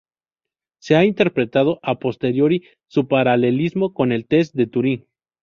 Se ha interpretado "a posteriori" su paralelismo con el test de Turing.